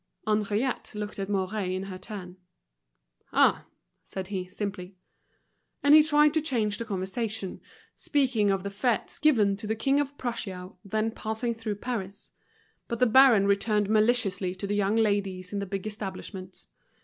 Henriette looked at Mouret in her turn. "Ah!" said he, simply. And he tried to change the conversation, speaking of the fetes given to the King of Prussia then passing through Paris. But the baron returned maliciously to the young ladies in the big establishments.